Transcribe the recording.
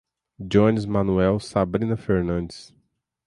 Jones Manoel, Sabrina Fernandes